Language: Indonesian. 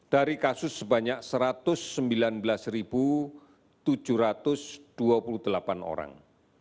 dari kasus sebanyak satu ratus sembilan belas tujuh ratus dua puluh delapan orang